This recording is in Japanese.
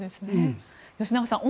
吉永さん